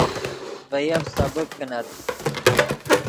ڤے یف سبک کینت